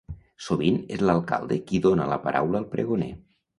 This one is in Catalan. Sovint és l'alcalde qui dóna la paraula al pregoner.